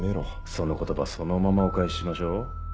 その言葉そのままお返ししましょう。